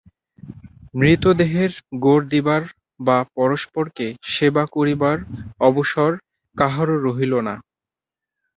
মৃতদেহের গোর দিবার বা পরস্পরকে সেবা করিবার অবসর কাহারও রহিল না।